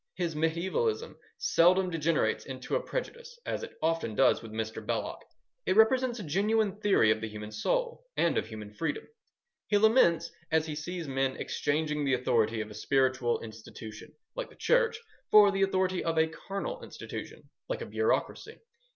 His mediaevalism seldom degenerates into a prejudice, as it often does with Mr. Belloc. It represents a genuine theory of the human soul, and of human freedom. He laments as he sees men exchanging the authority of a spiritual institution, like the Church, for the authority a carnal institution, like a bureaucracy.